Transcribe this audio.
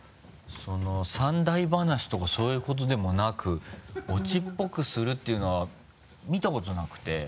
三題噺とかそういうことでもなくオチっぽくするっていうのは見たことなくて。